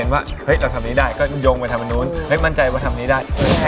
ก็ยงไปทำแบบนั้นแล้วไม่มั่นใจว่าจะทำแบบนี้ได้